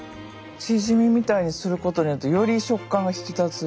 チヂミみたいにすることによってより食感が引き立つ。